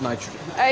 はい。